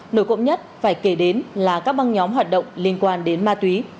nổi cộng nhất phải kể đến là các băng nhóm hoạt động liên quan đến ma túy